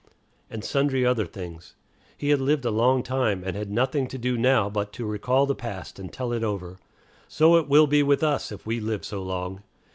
and sundry other things. He had lived a long time, and had nothing to do now but to recall the past and tell it over. So it will be with us, if we live so long.